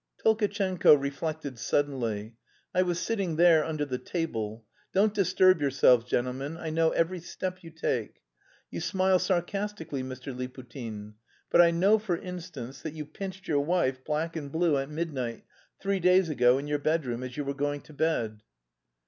Tolkatchenko reflected suddenly. "I was sitting there under the table. Don't disturb yourselves, gentlemen; I know every step you take. You smile sarcastically, Mr. Liputin? But I know, for instance, that you pinched your wife black and blue at midnight, three days ago, in your bedroom as you were going to bed."